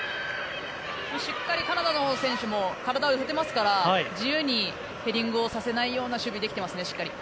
しっかりカナダの選手も体を入れてますから自由にヘディングをさせない守備ができてますね、しっかり。